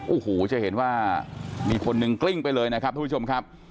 โอ้โหจะเห็นว่ามีคนหนึ่งกลิ้งไปเลยนะครับทุกผู้ชมครับ